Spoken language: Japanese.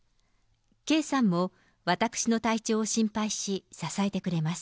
圭さんも私の体調を心配し、支えてくれます。